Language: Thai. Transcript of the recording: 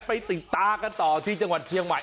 ไปติดตากันต่อที่จังหวัดเชียงใหม่